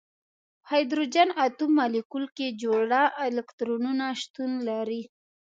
په هایدروجن اتوم مالیکول کې جوړه الکترونونه شتون لري.